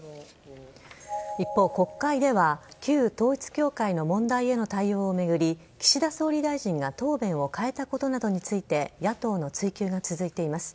一方、国会では旧統一教会の問題への対応を巡り岸田総理大臣が答弁を変えたことなどについて野党の追及が続いています。